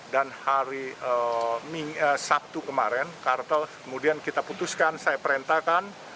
dan hari sabtu kemarin kemudian kita putuskan saya perintahkan